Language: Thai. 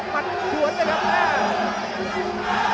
มัดจวดนะครับ